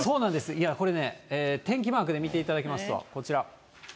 いや、これね、天気マークで見ていただきますと、こちら。